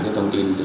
cảm ơn các bạn